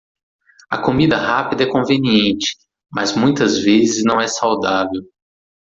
A comida rápida é conveniente, mas muitas vezes não é saudável.